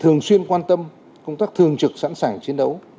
thường xuyên quan tâm công tác thường trực sẵn sàng chiến đấu